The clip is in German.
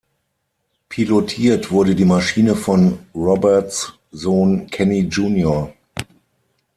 Pilotiert wurde die Maschine von Roberts' Sohn Kenny jr.